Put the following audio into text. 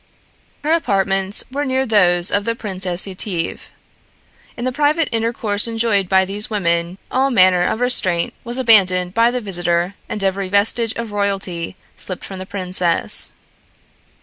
Her apartments were near those of the Princess Yetive. In the private intercourse enjoyed by these women, all manner of restraint was abandoned by the visitor and every vestige of royalty slipped from the princess.